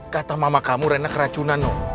kata mama kamu reyna keracunan loh